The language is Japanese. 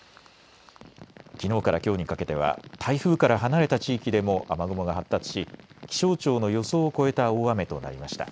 きのうからきょうにかけては台風から離れた地域でも雨雲が発達し気象庁の予想を超えた大雨となりました。